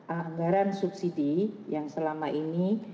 anggaran subsidi yang selama ini